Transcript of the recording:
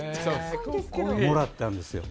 もらったんですよ。